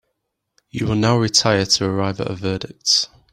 You will now retire to arrive at a verdict.